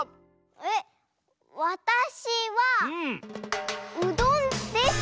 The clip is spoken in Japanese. えっわたしはうどんです！